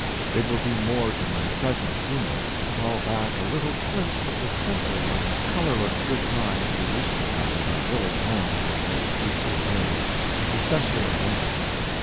It will be more to my present humor to call back a little glimpse of the simple and colorless good times we used to have in our village homes in those peaceful days—especially in the winter.